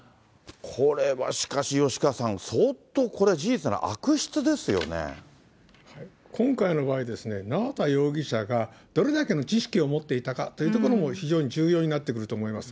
これはしかし、吉川さん、今回の場合、縄田容疑者がどれだけの知識を持っていたかというところも非常に重要になってくると思います。